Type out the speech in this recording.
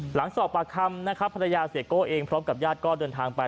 หลังสอบปากคำนะครับภรรยาเสียโก้เองพร้อมกับญาติก็เดินทางไป